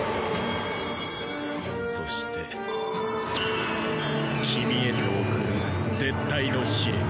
そして君へと送る絶対の試練。